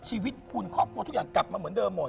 ชีวิตคุณครอบครัวทุกอย่างกลับมาเหมือนเดิมหมด